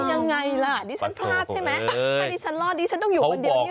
จะทำยังไงล่ะนี่ฉันพลาดใช่ไหมอันนี้ฉันลอดนี่ฉันต้องอยู่คนเดียวนิรันดิ์